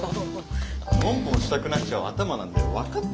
ポンポンしたくなっちゃう頭なんだよ。分かってる？